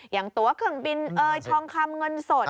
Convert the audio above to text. อย่างตัวเครื่องบินเอ่ยทองคำเงินสด